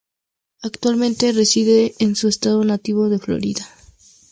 Actualmente residen en su estado nativo de Florida.